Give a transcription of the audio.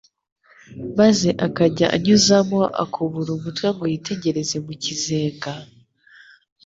maze akajya anyuzamo akubura umutwe ngo yitegereze mu kizenga,